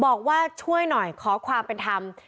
บอกว่าช่วยหน่อยขอความเป็นธรรม